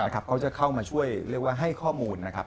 เขาจะเข้ามาช่วยเรียกว่าให้ข้อมูลนะครับ